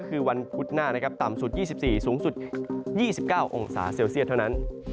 คือวันพุธหน้านะครับต่ำสุด๒๔สูงสุด๒๙องศาเซลเซียตเท่านั้น